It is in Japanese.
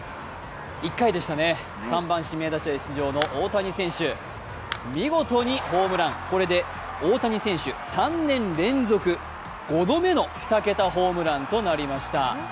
１回でしたね、３番・指名打者で出場の大谷選手、見事にホームラン、これで大谷選手、３年連続５度目の２桁ホームランとなりました。